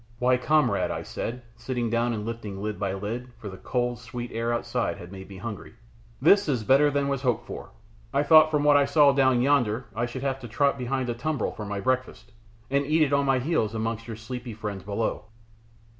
"Why, comrade," I said, sitting down and lifting lid by lid, for the cold, sweet air outside had made me hungry, "this is better than was hoped for; I thought from what I saw down yonder I should have to trot behind a tumbril for my breakfast, and eat it on my heels amongst your sleepy friends below."